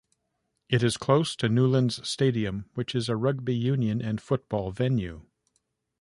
It is close to Newlands Stadium, which is a rugby union and football venue.